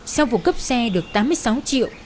sau vụ cấp xe được tám mươi sáu triệu